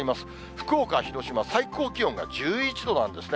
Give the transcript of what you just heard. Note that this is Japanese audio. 福岡、広島、最高気温が１１度なんですね。